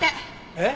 えっ？